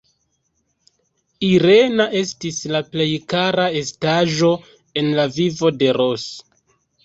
Irena estis la plej kara estaĵo en la vivo de Ros.